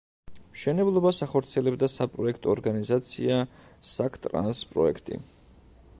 მშენებლობას ახორციელებდა საპროექტო ორგანიზაცია საქტრანსპროექტი.